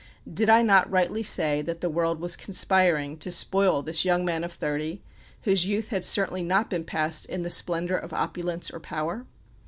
Did I not rightly say that the world was conspiring to spoil this young man of thirty, whose youth had certainly not been passed in the splendour of opulence or power?